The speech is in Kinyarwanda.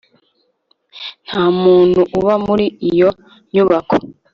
nta muntu uba muri iyo nyubako